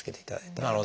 なるほど。